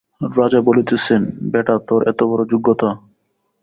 রাজা বলিতেছেন, বেটা, তোর এতবড়ো যোগ্যতা!